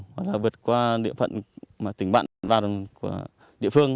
hoặc là vượt qua địa phận tỉnh bạn đoàn đồng của địa phương